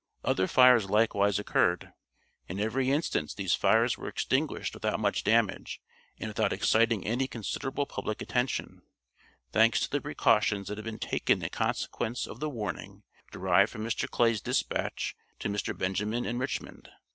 Other fires likewise occurred. In every instance these fires were extinguished without much damage and without exciting any considerable public attention, thanks to the precautions that had been taken in consequence of the warning derived from Mr. Clay's dispatch to Mr. Benjamin in Richmond.